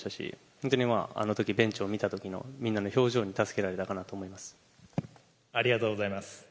本当にあのときベンチを見たときのみんなの表情に助けられたかなありがとうございます。